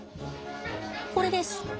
これです。